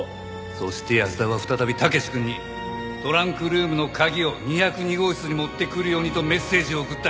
そして安田は再び武志くんに「トランクルームの鍵を２０２号室に持ってくるように」とメッセージを送った。